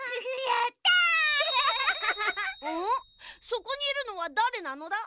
そこにいるのはだれなのだ？